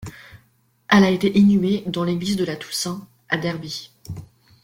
Elle a été inhumée dans l'église de la Toussaint, à Derby.